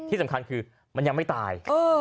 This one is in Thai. ที่สำคัญคือมันยังไม่ตาย